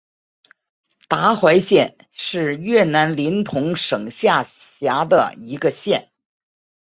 达怀县是越南林同省下辖的一个县。